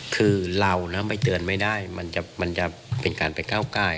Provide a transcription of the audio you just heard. คือเราไม่เตือนไม่ได้มันจะเป็นการไปก้าวกาย